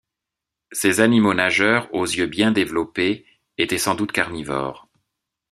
Ces animaux nageurs aux yeux bien développés étaient sans doute carnivores.